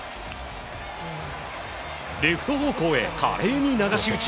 レフト方向へ華麗に流し打ち。